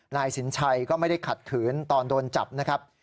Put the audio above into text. นายสินชัยก็ไม่ได้ขัดขืนตอนโดนจับนะครับ